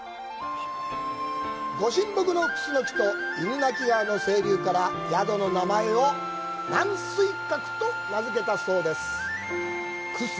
御神木のクスノキと犬鳴川の清流から宿の名前を楠水閣と名づけたそうです。